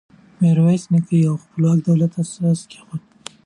میرویس نیکه د یوه خپلواک دولت اساس کېښود.